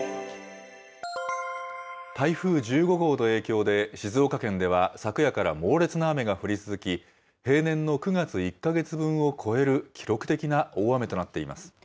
台風１５号の影響で静岡県では昨夜から猛烈な雨が降り続き、平年の９月１か月分を超える記録的な大雨となっています。